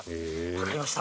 分かりました。